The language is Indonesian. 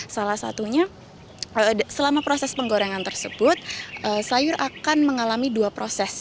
salah satunya selama proses penggorengan tersebut sayur akan mengalami dua proses